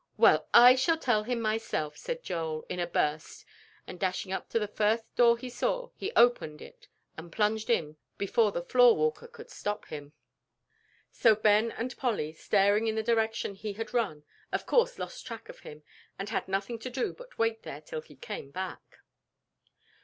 "Well, I shall tell him myself," said Joel, in a burst, and dashing up to the first door he saw, he opened it and plunged in before the floor walker could stop him. So Ben and Polly, staring in the direction he had run, of course lost track of him and had nothing to do but to wait there till he came back.